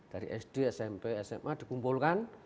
dari sd smp sma dikumpulkan